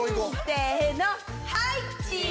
せのはいチーズ！